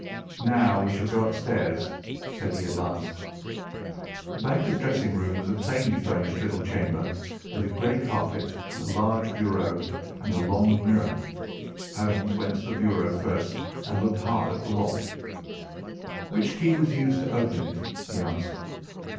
"Now we shall go upstairs," said he at last. The banker's dressing room was a plainly furnished little chamber, with a grey carpet, a large bureau, and a long mirror. Holmes went to the bureau first and looked hard at the lock. "Which key was used to open it?" he asked.